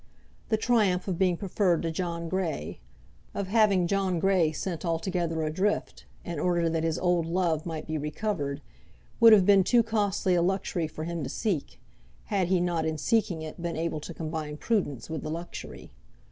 The triumph of being preferred to John Grey, of having John Grey sent altogether adrift, in order that his old love might be recovered, would have been too costly a luxury for him to seek, had he not in seeking it been able to combine prudence with the luxury.